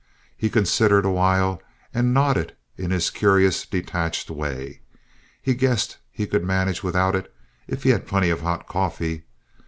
He considered a while, and nodded in his curious detached way; he guessed he could manage without it, if he had plenty of hot coffee.